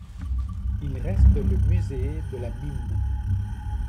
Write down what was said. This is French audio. Il reste le musée de la mine.